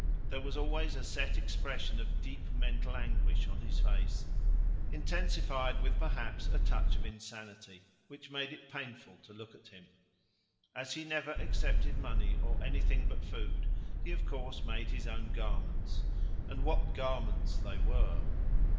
There was always a set expression of deep mental anguish on his face, intensified with perhaps a touch of insanity, which made it painful to look at him. As he never accepted money or anything but food, he of course made his own garments and what garments they were!